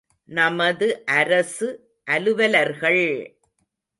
நமது அரசு அலுவலர்கள்!